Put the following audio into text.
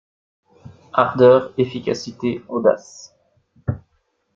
Ardeur, efficacité, audace